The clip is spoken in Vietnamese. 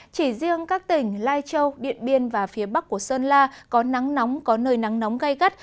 chỉ riêng các tỉnh lai châu điện biên và phía bắc của sơn la có nắng nóng có nơi nắng nóng gây gắt